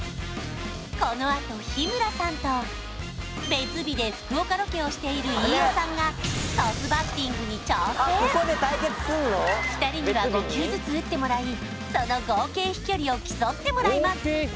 このあと日村さんと別日で福岡ロケをしている飯尾さんがトスバッティングに挑戦２人には５球ずつ打ってもらいその合計飛距離を競ってもらいます